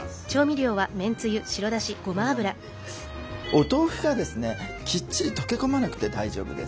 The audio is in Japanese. お豆腐がですねきっちり溶け込まなくて大丈夫です。